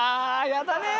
やだね。